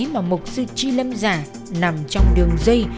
mà một sư chị lâm giả nằm trong đường dây